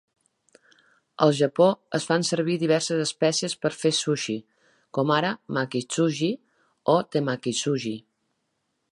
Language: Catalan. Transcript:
Al Japó, es fan servir diverses espècies per fer sushi, com ara "maki-zushi" o "temaki-zushi".